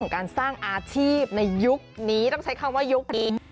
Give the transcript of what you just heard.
การสร้างอาชีพในยุคนี้ต้องใช้คำว่ายุคนี้